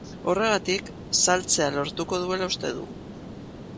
Horregatik, saltzea lortuko duela uste du.